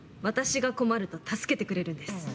私が困ると助けてくれるんです。